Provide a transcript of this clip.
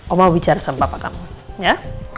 om mau bicara sama papa kamu ya